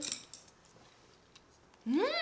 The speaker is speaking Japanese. うん！